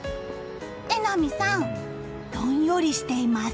榎並さん、どんよりしています。